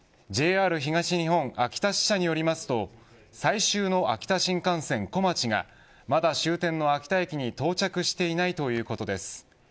ＪＲ東日本秋田支社によりますと最終の秋田新幹線こまちがまだ終点の秋田駅に到着していないということです。